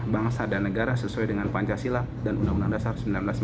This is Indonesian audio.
bangsa dan negara sesuai dengan pancasila dan undang undang dasar seribu sembilan ratus empat puluh